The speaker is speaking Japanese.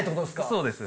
そうです。